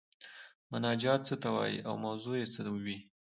مناجات څه ته وايي او موضوع یې څه وي؟